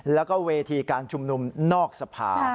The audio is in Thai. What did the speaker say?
แล้วก็เวทีการชุมนุมนอกสภา